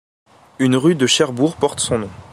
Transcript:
Une rue de Cherbourg porte son nom.